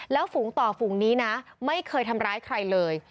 แล้วฝูงต่อฝูงนี้นะไม่เคยทำร้ายใครเลย